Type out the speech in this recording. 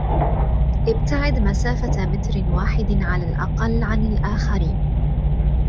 ابتعد مسافة متر واحد على الأقل عن الآخرين